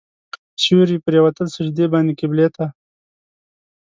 سیوري پرېوتل سجدې باندې قبلې ته.